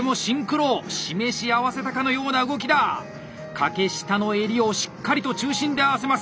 掛下の襟をしっかりと中心で合わせます！